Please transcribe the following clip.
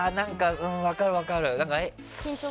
分かる、分かる。